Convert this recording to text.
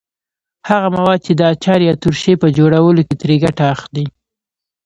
هغه مواد چې د اچار یا ترشۍ په جوړولو کې ترې ګټه اخلئ.